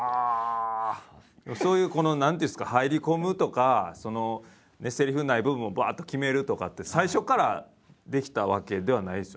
そういうこの何ていうんですか入り込むとかセリフない部分をばっと決めるとかって最初からできたわけではないですよね？